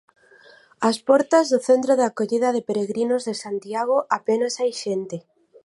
Ás portas do Centro de Acollida de Peregrinos de Santiago apenas hai xente.